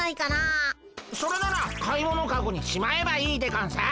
それなら買い物かごにしまえばいいでゴンス。